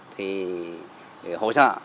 thì hỗ trợ